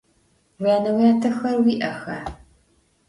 Vuyane - vuyatexer vui'exa?